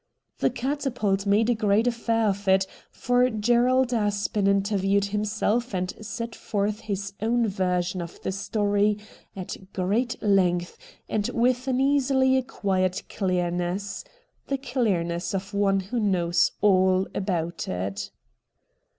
The ' Catapult ' made a great affair of it, for Gerald Aspen interviewed himself and set forth his own version of the storv at great length and with an easily acquired clearness — the clearness of one who knows all about it.